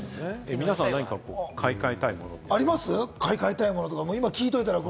皆さん、何か買い替えたいものあります？